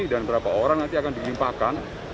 dan berapa orang nanti akan diimpahkan